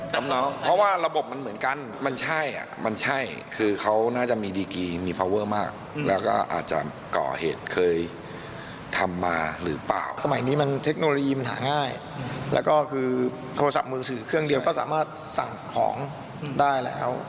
สมัยนี้มันเทคโนโลยีมันหาง่ายแล้วก็คือโทรศัพท์มือสื่อเครื่องเดียวก็สามารถสั่งของได้แล้ว